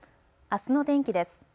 あすの天気です。